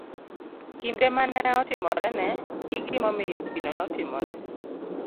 kinde ma ne otimorene, gi gimomiyo gino notimore.